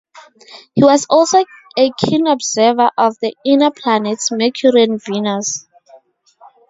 He was also a keen observer of the inner planets Mercury and Venus.